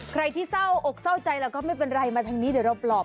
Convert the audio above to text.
ใครที่เศร้าอกเศร้าใจแล้วก็ไม่เป็นไรมาทั้งนี้เดี๋ยวรอบ